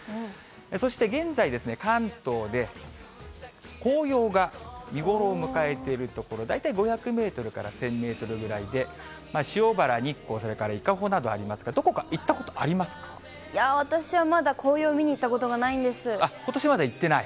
そして現在、関東で紅葉が見頃を迎えている所、大体５００メートルから１０００メートルぐらいで、塩原、日光、それから伊香保などありますが、どこか行ったことあ私はまだ、紅葉を見に行ったことしまだ行ってない？